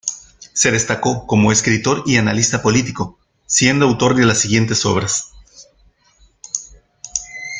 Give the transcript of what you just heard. Se destacó como escritor y analista político, siendo autor de las siguientes obras.